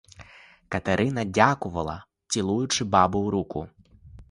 Катерина дякувала, цілуючи бабу в руку.